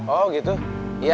oh gitu iya